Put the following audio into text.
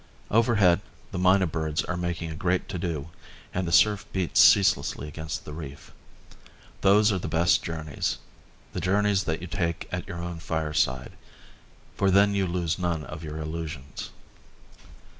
Overhead the mynah birds are making a great to do, and the surf beats ceaselessly against the reef. Those are the best journeys, the journeys that you take at your own fireside, for then you lose none of your illusions.